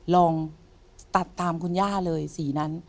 ลองตัดตามคุณย่าเลยสีนั้น